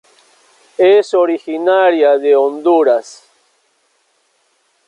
Es originaria de Honduras.